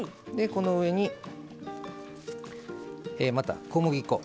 この上に、小麦粉。